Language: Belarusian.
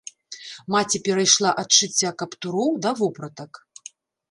Маці перайшла ад шыцця каптуроў да вопратак.